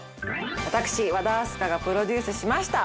私和田明日香がプロデュースしました